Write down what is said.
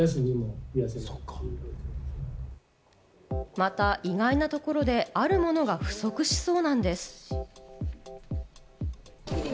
また意外なところで、あるものが不足しそうなんです。